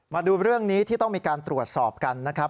มาดูเรื่องนี้ที่ต้องมีการตรวจสอบกันนะครับ